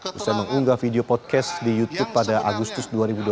bisa mengunggah video podcast di youtube pada agustus dua ribu dua puluh